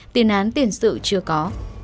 tiền án tiền sự chưa có